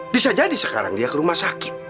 bisa jadi sekarang dia ke rumah sakit